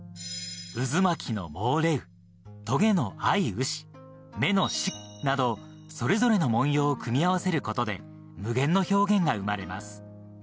渦巻きのモレウ、トゲのアイウシ、目のシクなど、それぞれの文様を組み合わせることで無限の表現が生まれます。